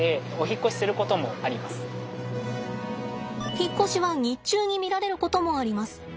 引っ越しは日中に見られることもあります。